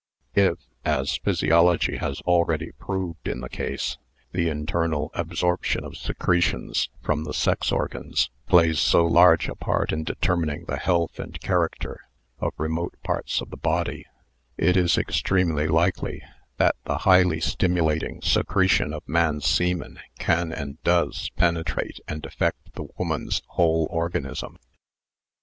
If, as physiology has already proved is th^ case, the internal absorption of secretions from the sex organs plays so large a part in determining the health and character of remote parts of the body, it is extremely likely that the highly stimulating secretion of man's semen can and does penetrate and affect the woman's whole organism.